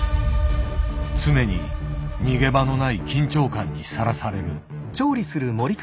常に逃げ場のない緊張感にさらされる。